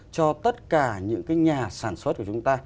cho tất cả những cái nhà sản xuất của chúng ta